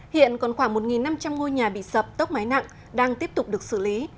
hiện còn khoảng một năm trăm linh ngôi nhà bị sập tốc máy nặng đang tiếp tục được xử lý